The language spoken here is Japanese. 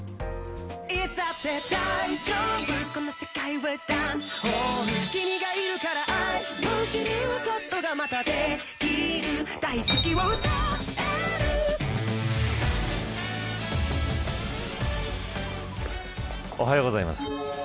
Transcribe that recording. おはようございます。